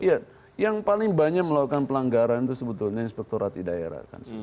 iya yang paling banyak melakukan pelanggaran itu sebetulnya inspektorat di daerah